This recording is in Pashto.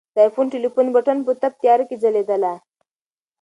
د آیفون ټلیفون بټن په تپ تیاره کې ځلېدله.